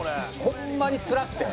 ホンマにつらくて。